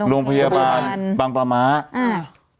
โรงพยาบาลบางประมาณ